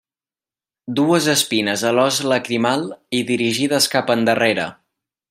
Dues espines a l'os lacrimal i dirigides cap endarrere.